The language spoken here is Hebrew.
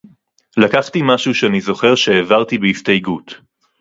לקחתי משהו שאני זוכר שהעברתי בהסתייגות